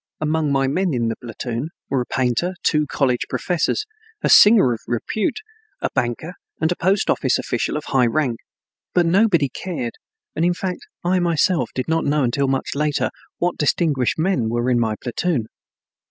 Among my men in the platoon were a painter, two college professors, a singer of repute, a banker, and a post official of high rank. But nobody cared and in fact I myself did not know until much later what distinguished men were in my platoon.